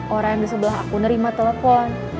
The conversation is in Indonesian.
orang di sebelah aku nerima telepon